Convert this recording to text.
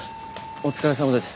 お疲れさまです。